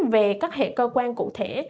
về các hệ cơ quan cụ thể